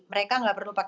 mereka nggak perlu mandi